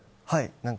はい。